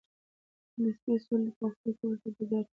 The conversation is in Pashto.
د نسبي سولې په وختونو کې ورته جدي اړتیا ده.